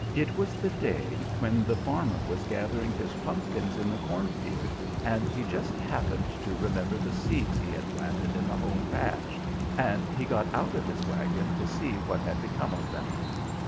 It was the day when the farmer was gathering his pumpkins in the cornfield, and he just happened to remember the seeds he had planted in the home patch, and he got out of his wagon to see what had become of them.